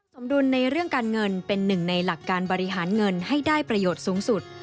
สมดุลในเรื่องการเงินเป็นหนึ่งในหลักการบริหารเงินให้ได้ประโยชน์สูงสุด